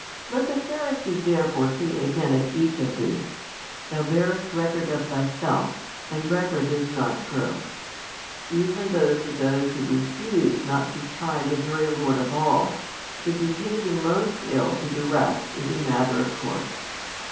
Let the Pharisee therefore say again of each of these, Thou bearest record of thyself, thy record is not true, even though to those who refuse not to chide the very Lord of all, |567 the behaving most ill to the rest is a matter of course.